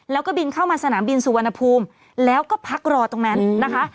แล้วก็บินเข้ามาสนามบินสุวรรณภูมิแล้วก็พักรอตรงนั้นนะคะ